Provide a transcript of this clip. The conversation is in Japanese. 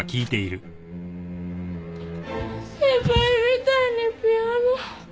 先輩みたいにピアノ。